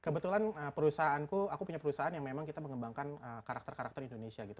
kebetulan perusahaanku aku punya perusahaan yang memang kita mengembangkan karakter karakter indonesia gitu